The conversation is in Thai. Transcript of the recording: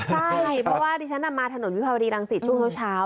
ใช่เพราะว่าดิฉันมาถนนวิภาวดีรังสิตช่วงเช้า